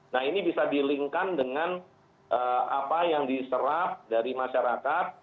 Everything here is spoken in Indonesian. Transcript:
nah ini bisa dilingkan dengan apa yang diserap dari masyarakat